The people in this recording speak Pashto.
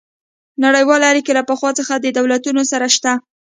نړیوالې اړیکې له پخوا څخه د دولتونو سره شته